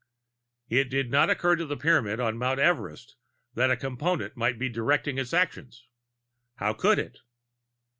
It did not occur to the Pyramid on Mount Everest that a Component might be directing its actions. How could it?